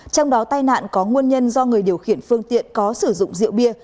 trong đó tai nạn có nguồn nhân do người điều khiển phương tiện có sử dụng rượu bia